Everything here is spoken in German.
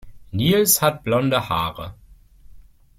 Nils hat blonde Haare.